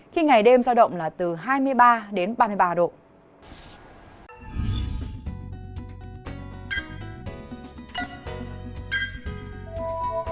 khi ngày đêm giao động là từ hai mươi ba đến ba mươi ba độ